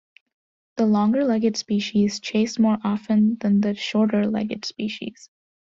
The longer-legged species chase more often than the shorter-legged species.